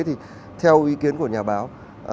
thì theo ý kiến của nhà báo